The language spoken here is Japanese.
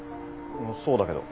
そうだけど。